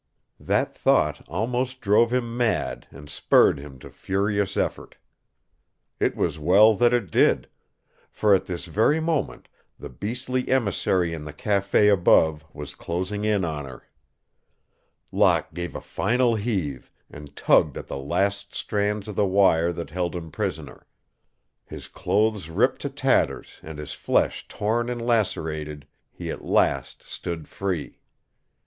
That thought almost drove him mad and spurred him to furious effort. It was well that it did. For at this very moment the beastly emissary in the café above was closing in on her. Locke gave a final heave and tugged at the last strands of the wire that held him prisoner. His clothes ripped to tatters and his flesh torn and lacerated, he at last stood free.